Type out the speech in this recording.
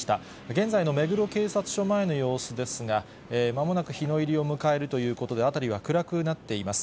現在の目黒警察署前の様子ですが、まもなく日の入りを迎えるということで、辺りは暗くなっています。